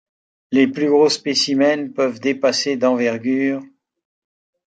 Les plus gros spécimens peuvent dépasser d'envergure.